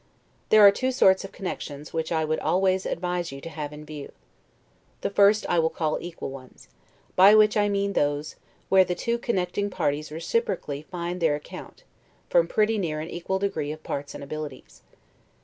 There are two sorts of connections, which I would always advise you to have in view. The first I will call equal ones; by which I mean those, where the two connecting parties reciprocally find their account, from pretty near an equal degree of parts and abilities.